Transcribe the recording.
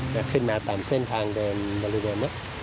ก็ขึ้นมาตามเส้นทางเดินบริเวณนี้